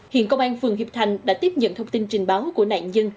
hiện công an phường hiệp thành đã tiếp nhận thông tin trình báo của nạn dân